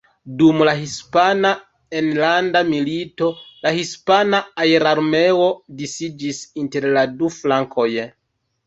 Dum la Hispana Enlanda Milito la Hispana Aerarmeo disiĝis inter la du flankoj.